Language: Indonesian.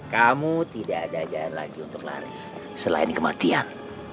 kamu tidak ada jalan lagi untuk lari selain kematian